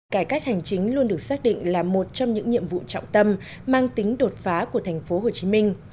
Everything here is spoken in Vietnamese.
cải cách hành chính luôn được xác định là một trong những nhiệm vụ trọng tâm mang tính đột phá của thành phố hồ chí minh